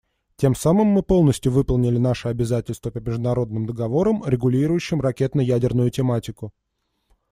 Тем самым мы полностью выполнили наши обязательства по международным договорам, регулирующим ракетно-ядерную тематику.